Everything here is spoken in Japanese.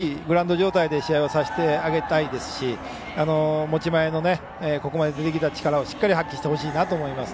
いいコンディションでいいグラウンド状態で試合をさせてあげたいですし持ち前のここまで出てきた力をしっかり発揮してほしいなと思います。